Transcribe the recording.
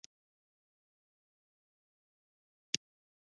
د اوږې د نیول کیدو لپاره باید څه وکړم؟